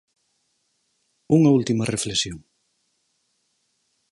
Unha última reflexión.